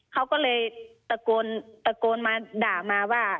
เขาก็เลยตะโกนตะโกนมาด่ามาว่า